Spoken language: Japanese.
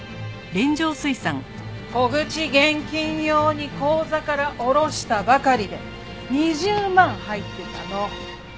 小口現金用に口座から下ろしたばかりで２０万入ってたの。